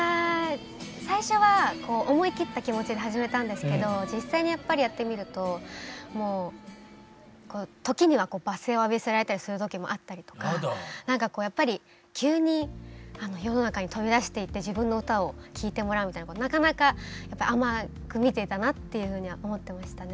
最初はこう思い切った気持ちで始めたんですけど実際にやっぱりやってみると時には罵声を浴びせられたりする時もあったりとか何かこうやっぱり急に世の中に飛び出していって自分の歌を聴いてもらうみたいななかなか甘く見ていたなっていうふうには思ってましたね。